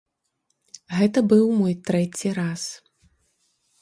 Гэта быў мой трэці раз.